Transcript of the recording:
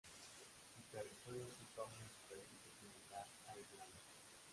Su territorio ocupa una superficie similar a Irlanda.